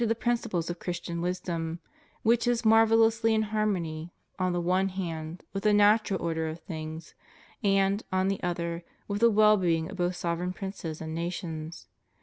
87 the principles of Christian wisdom, which is marvel lously in harmony, on the one hand, with the natural order of things, and, on the other, with the well being of both sovereign princes and of nations.